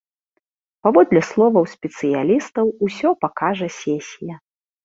Паводле словаў спецыялістаў, усё пакажа сесія.